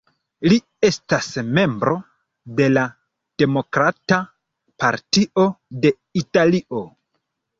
Li estas membro de la Demokrata Partio de Italio.